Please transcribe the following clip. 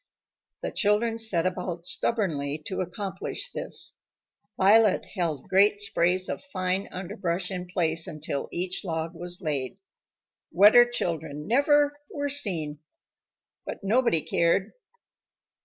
The children set about stubbornly to accomplish this. Violet held great sprays of fine underbrush in place until each log was laid. Wetter children never were seen. But nobody cared.